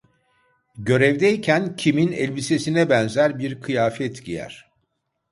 Görevdeyken Kim'in elbisesine benzer bir kıyafet giyer.